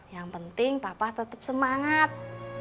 yang penting papa tetap semangat